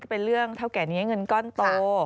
เป็นเรื่องเท่าแก่นี้เงินก้อนโต